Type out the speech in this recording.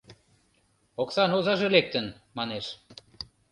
— Оксан озаже лектын, — манеш.